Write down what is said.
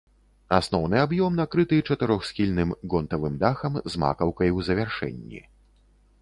Асноўны аб'ём накрыты чатырохсхільным гонтавым дахам з макаўкай у завяршэнні.